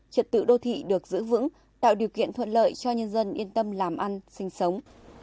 trật tự đô thị được giữ vững tạo điều kiện thuận lợi cho nhân dân yên tâm làm ăn sinh sống